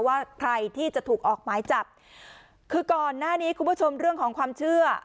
ว่าใครที่จะถูกออกหมายจับคือก่อนหน้านี้คุณผู้ชมเรื่องของความเชื่อ